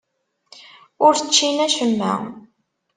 Ur ččin acemma.